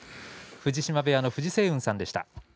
藤島部屋の藤青雲さんでした。